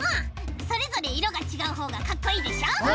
それぞれいろがちがうほうがかっこいいでしょ？